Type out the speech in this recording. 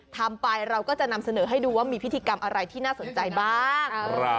ทำไปเราก็จะนำเสนอให้ดูว่ามีพิธีกรรมอะไรที่น่าสนใจบ้าง